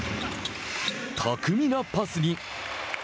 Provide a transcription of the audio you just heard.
巧みなパスに。